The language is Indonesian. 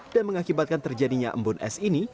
dan mengakibatkan terjadinya embun es ini